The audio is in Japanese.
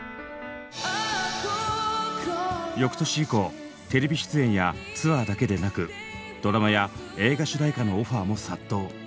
翌年以降テレビの出演やツアーだけでなくドラマや映画主題歌のオファーも殺到。